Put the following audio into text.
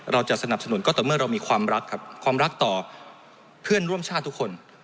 เราจะสนับสนุนก็ต่อเมื่อเรามีความรักครับความรักต่อเพื่อนร่วมชาติทุกคน